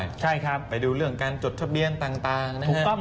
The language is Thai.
ตัวจะไปดูเรื่องแกงการจดทะเบียนต่าง